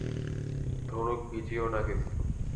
ধনুক ভিজিও না কিন্তু।